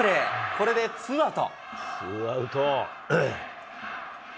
これでツーアウト。